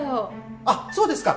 あっそうですか！